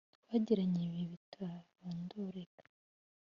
twagiranye ibihe bitarondoreka